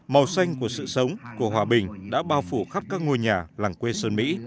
màu xanh của sự sống của hòa bình đã bao phủ khắp các ngôi nhà làng quê sơn mỹ